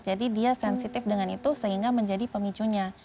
jadi dia sensitif dengan itu sehingga menjadi pemicunya